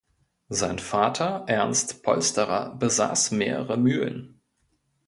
Sein Vater Ernst Polsterer besaß mehrere Mühlen.